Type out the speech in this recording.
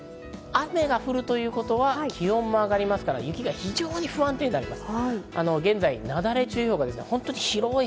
そして雨が降るということは気温も上がりますから、非常に不安定になります。